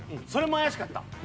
それも怪しかった！